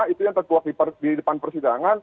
itu yang tertua di depan persidangan